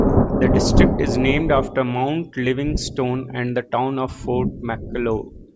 The district is named after Mount Livingstone and the town of Fort Macleod.